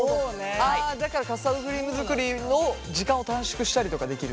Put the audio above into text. だからカスタードクリーム作りの時間を短縮したりとかできる？